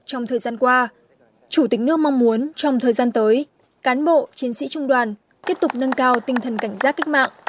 trong thời gian qua chủ tịch nước mong muốn trong thời gian tới cán bộ chiến sĩ trung đoàn tiếp tục nâng cao tinh thần cảnh giác cách mạng